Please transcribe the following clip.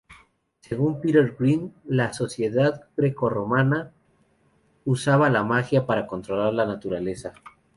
Según Peter Green la sociedad grecorromana usaba la magia para controlar la naturaleza.